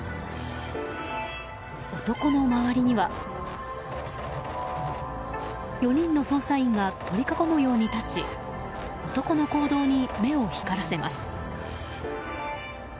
男の周りには４人の捜査員が取り囲むように立ち男の行動に目を光らせます。